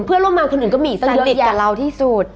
เพื่อนร่วมงานคนอื่นก็มีสนิทกับเราที่สุด